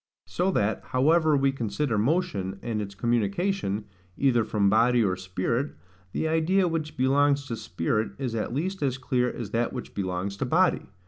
So that, however we consider motion, and its communication, either from body or spirit, the idea which belongs to spirit is at least as clear as that which belongs to body.